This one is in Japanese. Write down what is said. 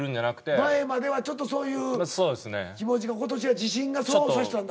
前まではちょっとそういう気持ちが今年は自信がそうさしたんだ。